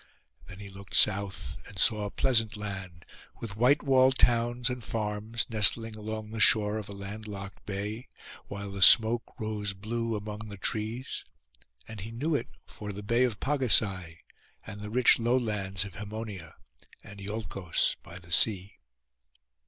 Then he looked south, and saw a pleasant land, with white walled towns and farms, nestling along the shore of a land locked bay, while the smoke rose blue among the trees; and he knew it for the bay of Pagasai, and the rich lowlands of Hæmonia, and Iolcos by the sea.